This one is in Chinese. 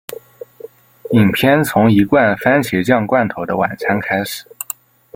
影片从一罐蕃茄酱罐头的晚餐开始。